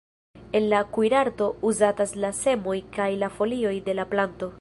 En la kuirarto uzatas la semoj kaj la folioj de la planto.